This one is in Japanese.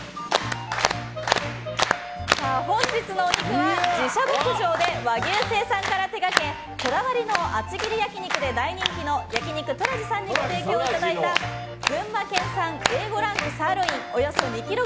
本日のお肉は自社牧場で和牛生産から手掛けこだわりの厚切り焼き肉で大人気の焼肉トラジさんにご提供いただいた群馬県産Ａ５ランクサーロイン２ｋｇ。